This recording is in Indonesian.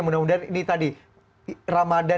mudah mudahan ini tadi ramadan